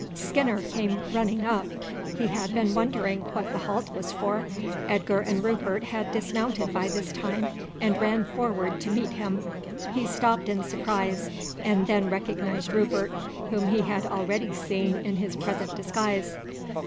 Skinner came running up. He had been wondering what the halt was for. Edgar and Rupert had dismounted by this time and ran forward to meet him. He stopped in surprise and then recognized Rupert, whom he had already seen in his present disguise.